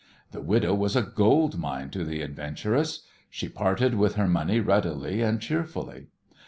The widow was a gold mine to the adventuress. She parted with her money readily and cheerfully.